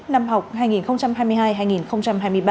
năm học hai nghìn hai mươi hai hai nghìn hai mươi ba